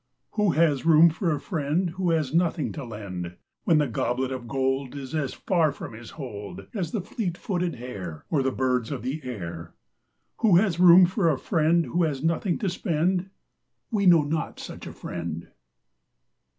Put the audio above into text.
Who has room for a friend Who has nothing to lend, When the goblet of gold Is as far from his hold As the fleet footed hare, Or the birds of the air. Who has room for a friend Who has nothing to spend? We know not such a friend.